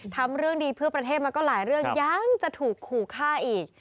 ทำเรื่องดีเพื่อประเทศมาก็หลายเรื่องยังจะถูกขู่ฆ่าอีก